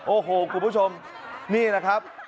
โอ้โหคุณผู้ชมนี่แหละครับ